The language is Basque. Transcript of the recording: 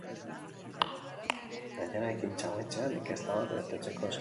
Gainera, ekintza amaitzean inkesta bat betetzeko eskatuko zaie.